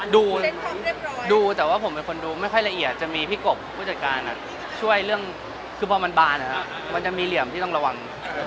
ดูแต่ว่าผมเป็นคนดูไม่ค่อยละเอียดจะมีพี่กบผู้จัดการช่วยเรื่องคือพอมันบานมันจะมีเหลี่ยมที่ต้องระวัง